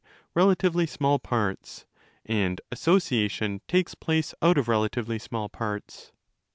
re latively small) parts, and 'association' takes place out of relatively small parts.